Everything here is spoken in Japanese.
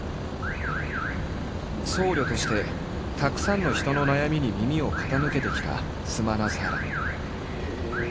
僧侶としてたくさんの人の悩みに耳を傾けてきたスマナサーラ。